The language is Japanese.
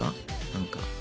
何か。